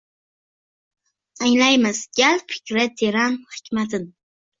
Anglaymiz gall fikri teran hikmatin